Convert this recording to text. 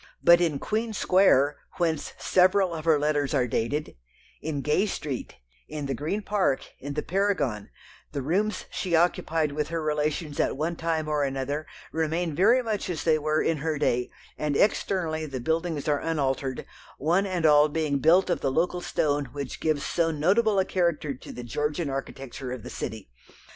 But in Queen Square, whence several of her letters are dated, in Gay Street, in the Green Park, in the Paragon, the rooms she occupied with her relations at one time or another remain very much as they were in her day, and externally the buildings are unaltered, one and all being built of the local stone which gives so notable a character to the Georgian architecture of the city.